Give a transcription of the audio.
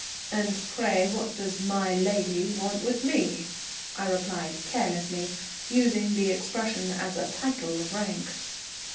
"And pray what does 'my lady' want with me?" I replied carelessly, using the expression as a title of rank.